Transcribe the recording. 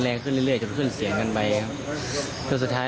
เพราะเราเห็นเหตุการณ์หมดเลย